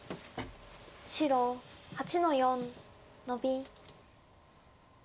白８の四ノビ。